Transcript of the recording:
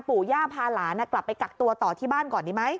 ปู่ย่าพาหลานกลับไปกักตัวต่อที่บ้านก่อนดีไหม